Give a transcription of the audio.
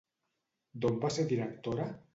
D'on va ser directora?